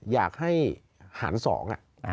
อยากให้หันสอง